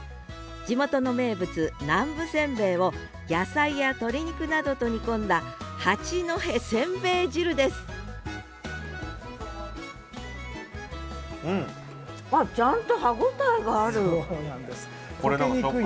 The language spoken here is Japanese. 地元の名物南部せんべいを野菜や鶏肉などと煮込んだ「八戸せんべい汁」ですうん！